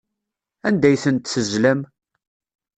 Anda ay tent-tezlam?